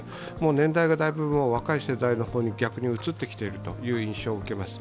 年代がだいぶ若い世代の方に逆にうつってきている印象を受けます。